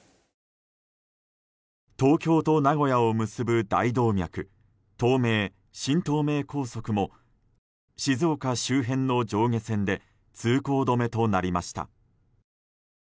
東京と名古屋を結ぶ大動脈東名・新東名高速も静岡周辺の上下線で通行止めとなりました。